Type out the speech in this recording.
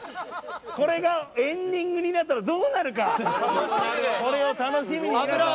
これがエンディングになったらどうなるか楽しみに。